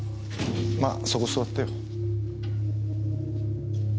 まあそこ座ってよ。